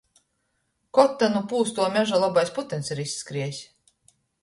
Kod ta nu pūstuo meža lobais putyns ir izskriejs?